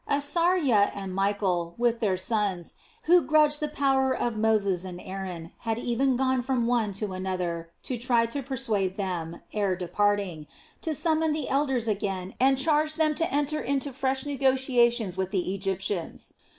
Asarja and Michael, with their sons, who grudged the power of Moses and Aaron, had even gone from one to another to try to persuade them, ere departing, to summon the elders again and charge then to enter into fresh negotiations with the Egyptians.